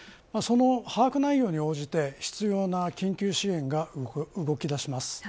その把握内容に応じて必要な緊急支援が動き出します。